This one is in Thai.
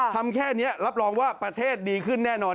ทำแค่นี้รับรองว่าประเทศดีขึ้นแน่นอน